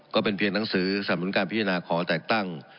ก็เป็นเพียงหนังสือสำนุนการพิจารณาขอแต่งตั้ง